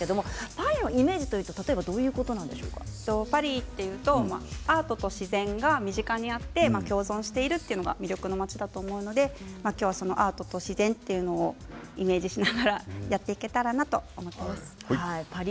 パリのイメージってパリというとアートと自然が身近にあって共存しているというのが魅力の街だと思うのでそのアートと自然というのをイメージしながらやっていけたらなと思っています。